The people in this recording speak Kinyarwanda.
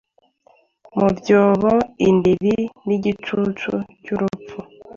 Mubyobo, indiri nigicucu cyurupfu,